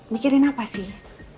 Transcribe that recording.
mikirin apa sih